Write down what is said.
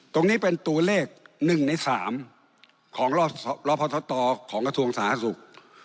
ตรงนี้เป็นตัวเลข๑ใน๓ของรพตของกระทรวงสาธารณสุข